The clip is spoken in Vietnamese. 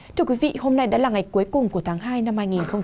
thưa quý vị hôm nay đã là ngày cuối cùng của tháng hai năm hai nghìn hai mươi